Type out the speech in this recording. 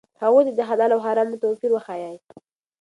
هغوی ته د حلال او حرامو توپیر وښایئ.